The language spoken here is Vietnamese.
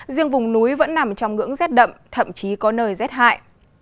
riêng vùng núi vẫn nằm trong ngưỡng rét đậm thậm chí có nơi rét hại